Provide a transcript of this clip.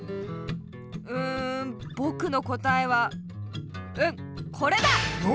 うんぼくのこたえはうんこれだ！よ！